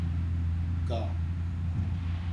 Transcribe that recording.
گا